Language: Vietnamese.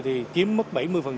thì chiếm mất bảy mươi